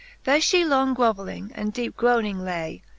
There fhe long groveling, and deepe groning lay.